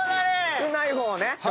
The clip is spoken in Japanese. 少ない方ね。